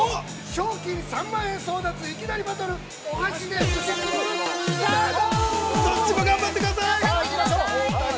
賞金３万円争奪いきなりバトルお箸で寿司積むスタート。